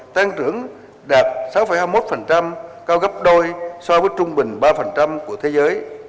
tăng trưởng đạt sáu hai mươi một cao gấp đôi so với trung bình ba của thế giới